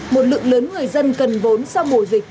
một lượng lớn người dân cần vốn sau mùa dịch